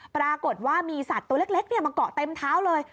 ปรากฏว่ามีสัตว์ตัวเล็กมาเกาะเต็มเท้าเลย